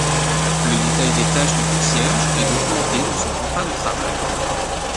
Le détail des tâches du concierge est documenté dans son contrat de travail.